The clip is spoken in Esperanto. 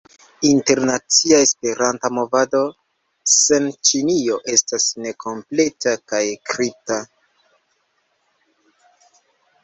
Internacia Esperanta movado sen Ĉinio estas nekompleta kaj kripla.